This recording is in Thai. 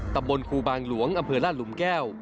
ตำบลครูบางหลวงอำเภอลาดหลุมแก้ว